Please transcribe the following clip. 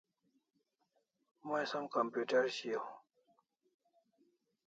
May som computer shiaw